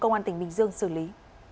công an tỉnh bình dương xử lý